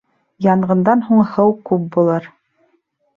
Янғындан һуң һыу күп булыр.